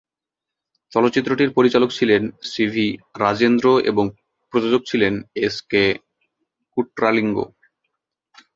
চলচ্চিত্রটির পরিচালক ছিলেন সি ভি রাজেন্দ্র এবং প্রযোজক ছিলেন কে এস কুট্রালিঙ্গ।